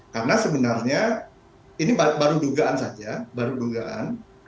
karena sebenarnya ini baru dugaan saja baru dugaan